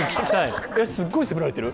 すっごい責められてる？